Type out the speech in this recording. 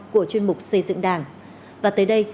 xây dựng đảng và tới đây